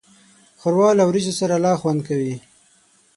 ښوروا له وریجو سره لا خوند کوي.